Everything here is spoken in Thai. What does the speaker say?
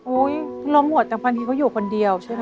ล้มหมดแต่บางทีเขาอยู่คนเดียวใช่ไหม